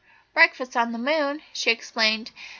"Breakfast on the moon!" she exclaimed.